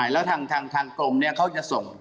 แล้วทางกรมเนี่ยเค้าจะส่ง